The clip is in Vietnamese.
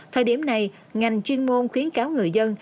thời điểm này ngành chuyên môn khuyến cáo người dân